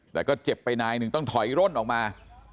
แต่ก็เจ็บไปนายหนึ่งต้องถอยร่นออกมา